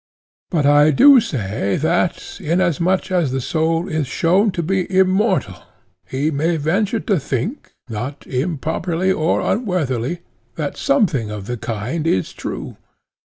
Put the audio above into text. But I do say that, inasmuch as the soul is shown to be immortal, he may venture to think, not improperly or unworthily, that something of the kind is true.